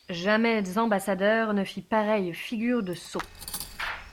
Jamais ambassadeur ne fit pareille figure de sot!